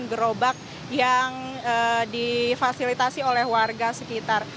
gerobak yang difasilitasi oleh warga sekitar